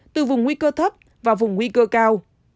từ vùng nguy cơ thấp và vùng nguy cơ cao